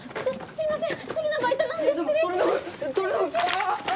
すいません。